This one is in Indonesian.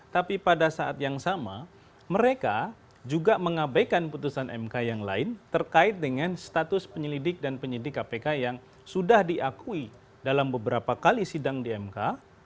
tapi pada saat yang sama mereka juga mengabaikan putusan mk yang lain terkait dengan status penyelidik dan penyidik kpk yang sudah diakui dalam beberapa kali sidang di mk